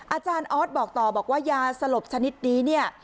อาจารย์ออสบอกต่อบอกว่ายาสลบชนิดนี้เนี่ย